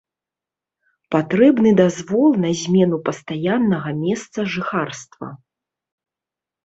Патрэбны дазвол на змену пастаяннага месца жыхарства.